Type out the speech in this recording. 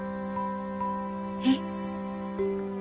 えっ？